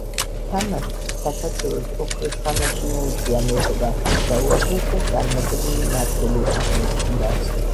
თამარს საქართველოს ოქროს ხანაში მოუწია მეფობა და უაღრესად წარმატებული მმართველი აღმოჩნდა